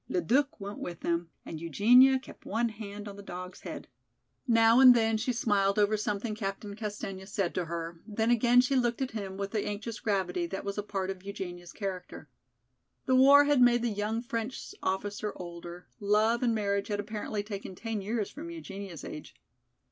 Le Duc went with them and Eugenia kept one hand on the dog's head. Now and then she smiled over something Captain Castaigne said to her, then again she looked at him with the anxious gravity that was a part of Eugenia's character. The war had made the young French officer older, love and marriage had apparently taken ten years from Eugenia's age.